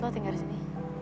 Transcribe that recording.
lo tinggal di sini